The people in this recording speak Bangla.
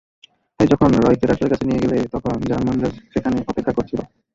তাই যখন রয়কে ডাক্তারের কাছে নিয়ে গেলে, তখন জার্মানরা সেখানে অপেক্ষা করছিল।